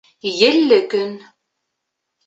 Елле көн